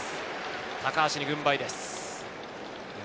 高橋に軍配です。